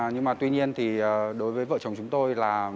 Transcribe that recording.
nhưng mà tuy nhiên thì đối với vợ chồng chúng tôi là